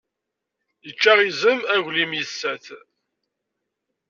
Yečča izem, aglim yessa-t.